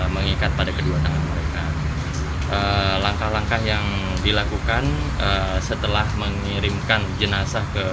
mengikat pada kedua tangan mereka langkah langkah yang dilakukan setelah mengirimkan jenazah ke